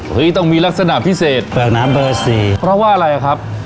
ต้องมีลักษณะพิเศษแปลกน้ำเบอร์สี่เพราะว่าอะไรอ่ะครับ